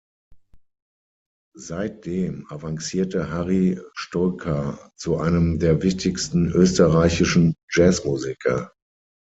Seitdem avancierte Harri Stojka zu einem der wichtigsten österreichischen Jazzmusiker.